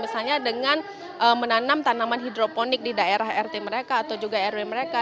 misalnya dengan menanam tanaman hidroponik di daerah rt mereka atau juga rw mereka